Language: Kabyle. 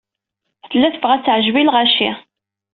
Tella tebɣa ad teɛjeb i lɣaci.